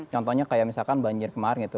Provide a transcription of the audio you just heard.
contohnya kayak misalkan banjir kemarin gitu